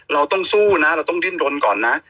เราต้องสู้นะเราต้องดิ้นรนก่อนนะ